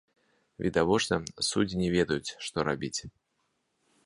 Відавочна, судзі не ведаюць, што рабіць.